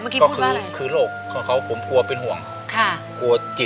โปรดติดตามต่อไป